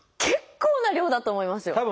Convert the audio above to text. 結構な量だと思いますよ。